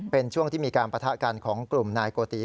เป็นช่วงที่มีการปะทะกันของกลุ่มนายโกติ